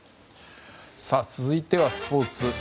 続いてはスポーツ。